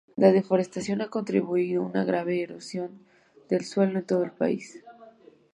La deforestación ha contribuido a una grave erosión del suelo en todo el país.